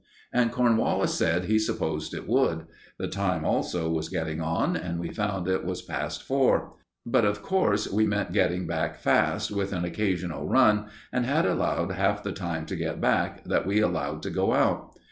And Cornwallis said he supposed it would. The time also was getting on, and we found it was past four. But, of course, we meant getting back fast, with an occasional run, and had allowed half the time to get back that we allowed to go out.